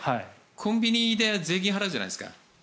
コンビニで税金を払うじゃないですか。